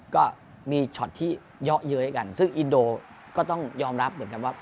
ก็มีช็อตที่เยาะเย้ยกันซึ่งอินโดก็ต้องยอมรับเหมือนกันว่า